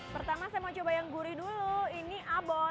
pertama saya mau coba yang gurih dulu ini abon